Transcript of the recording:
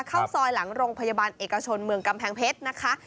เข้าซอยหลังโรงพยาบาลเอกชนเมืองกำแพงเพชรนะคะ